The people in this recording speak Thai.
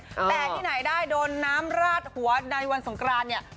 แต่ที่ไหนได้โดนน้ำราดหัวในวันสงครานเนี่ย